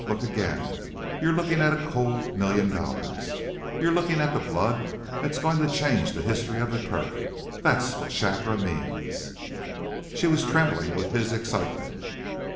Look again! You're looking at a cold million dollars. You're looking at the blood that's going to change the history of the turf. That's what Shakra means!" She was trembling with his excitement.